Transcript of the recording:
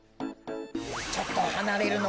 ちょっとはなれるのだ。